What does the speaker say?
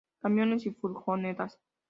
Camiones y furgonetas.